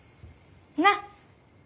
なっ！